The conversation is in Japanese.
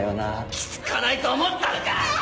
気付かないと思ったのか⁉あぁ！